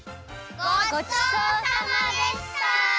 ごちそうさまでした！